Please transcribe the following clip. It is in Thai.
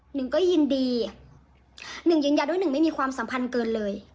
หนึ่งก็ยินดีหนึ่งยืนยันด้วยหนึ่งไม่มีความสัมพันธ์เกินเลย